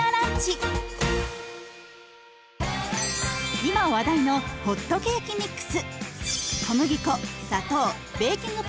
今話題のホットケーキミックス。